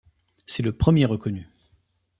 C'est le premier reconnu.